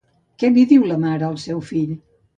Què li diu una mare al seu fill?